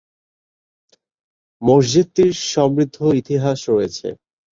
মসজিদটির সমৃদ্ধ ইতিহাস রয়েছে।